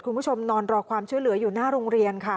คุณผู้ชมนอนรอความช่วยเหลืออยู่หน้าโรงเรียนค่ะ